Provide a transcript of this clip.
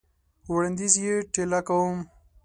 وړاندي یې ټېله کوم !